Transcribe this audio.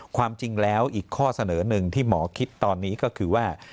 ความจริงแล้วอีกข้อเสนอหนึ่งที่หมอคิดตอนนี้ก็คือว่า